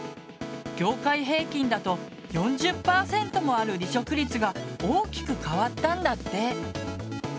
業界平均だと４０％もある離職率が大きく変わったんだって。